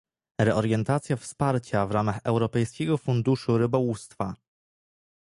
reorientacja wsparcia w ramach Europejskiego Funduszu Rybołówstwa